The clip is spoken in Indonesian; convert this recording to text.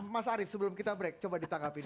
mas arief sebelum kita break coba ditangkapin dulu